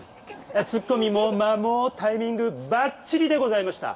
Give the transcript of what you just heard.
ツッコミも間もタイミングばっちりでございました。